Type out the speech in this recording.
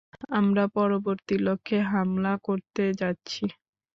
আমরা পরবর্তী লক্ষ্যে হামলা করতে যাচ্ছি।